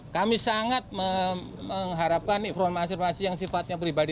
kami sangat mengharapkan informasi informasi yang sifatnya pribadi